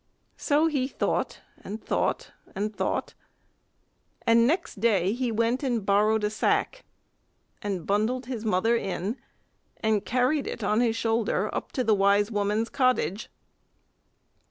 So he thought and thought and thought, and next day he went and borrowed a sack, and bundled his mother in, and carried it on his shoulder up to the wise woman's cottage.